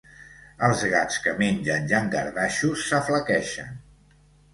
Els gats que mengen llangardaixos s'aflaqueixen.